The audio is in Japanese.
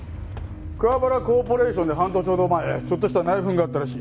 桑原コーポレーションで半年ほど前ちょっとした内紛があったらしい。